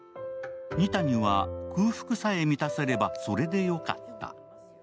二谷は空腹さえ満たせればそれでよかった。